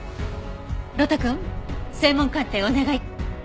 呂太くん声紋鑑定お願い。